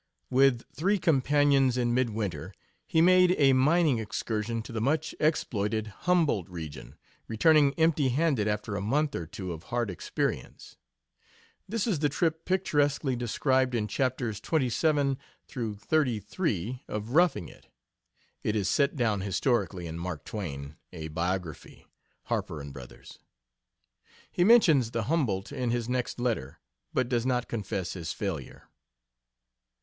With three companions, in midwinter, he made a mining excursion to the much exploited Humboldt region, returning empty handed after a month or two of hard experience. This is the trip picturesquely described in Chapters XXVII to XXXIII of Roughing It. [It is set down historically in Mark Twain 'A Biography.' Harper & brothers.] He, mentions the Humboldt in his next letter, but does not confess his failure.